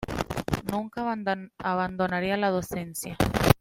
Nunca abandonaría la docencia.